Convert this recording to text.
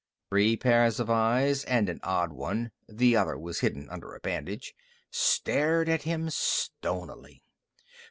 Three pairs of eyes and an odd one the other was hidden under a bandage stared at him stonily.